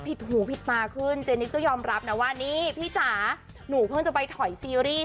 หูผิดตาขึ้นเจนิสก็ยอมรับนะว่านี่พี่จ๋าหนูเพิ่งจะไปถอยซีรีส์